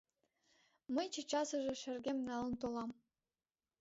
Мый чечасыже шергем налын толам.